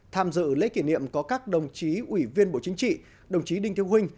tham dự lễ kỷ niệm có các đồng chí ủy viên bộ chính trị đồng chí đinh thiêu huynh